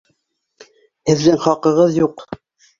Һеҙҙең хаҡығыҙ юҡ!..